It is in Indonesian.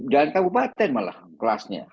jalan kabupaten malah kelasnya